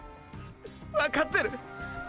わかってる。